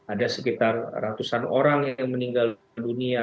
ada sekitar ratusan orang yang meninggal dunia